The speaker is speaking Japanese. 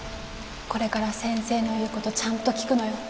これから先生の言う事ちゃんと聞くのよ。